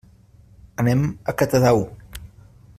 Anem a Catadau.